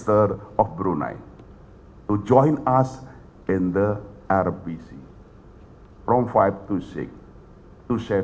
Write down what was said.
anggota rumah asing yang cukup